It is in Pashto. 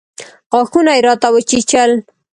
غاښونه يې راته وچيچل.